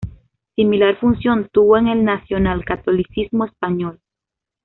Similar función tuvo en el nacionalcatolicismo español.